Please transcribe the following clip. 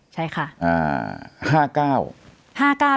ใช่ค่ะ